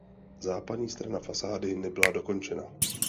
Západní strana fasády nebyla dokončena.